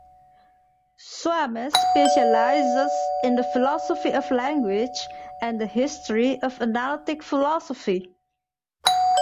Soames specializes in the philosophy of language and the history of analytic philosophy.